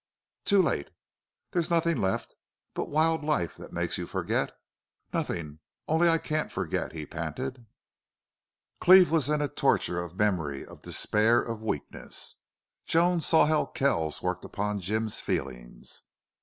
"Too late!" "There's nothing left but wild life that makes you forget?" "Nothing.... Only I can't forget!" he panted. Cleve was in a torture of memory, of despair, of weakness. Joan saw how Kells worked upon Jim's feelings.